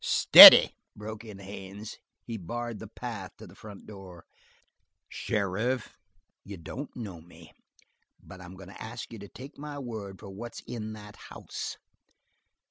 "Steady!" broke in Haines. He barred the path to the front door. "Sheriff, you don't know me, but I'm going to ask you to take my word for what's in that house."